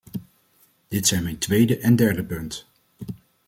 Dat zijn mijn tweede en derde punt.